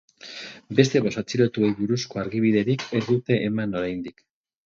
Beste bost atxilotuei buruzko argibiderik ez dute eman oraindik.